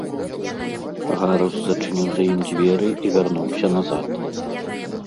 Гарус зачыніў за ім дзверы і вярнуўся назад.